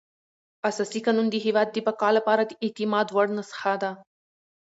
اساسي قانون د هېواد د بقا لپاره د اعتماد وړ نسخه وه.